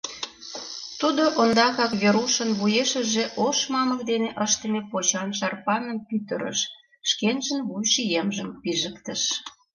Тудо ондакак Верушын вуешыже ош мамык дене ыштыме почан шарпаным пӱтырыш, шкенжын вуйшиемжым пижыктыш.